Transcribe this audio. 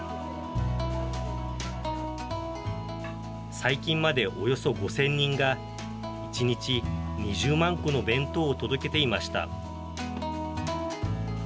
最近までおよそ５０００人が１日２０万個の弁当を届けていました。